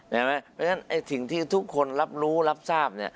เห็นไหมแล้วสิ่งที่ทุกคนรับรู้รับทราบ